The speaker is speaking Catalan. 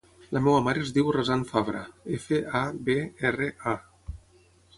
La meva mare es diu Razan Fabra: efa, a, be, erra, a.